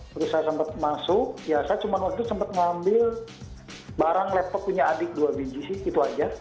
terus saya sempat masuk ya saya cuma waktu itu sempat ngambil barang laptop punya adik dua biji sih gitu aja